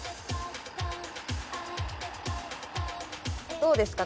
どうですか？